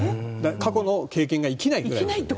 過去の経験が生きないと。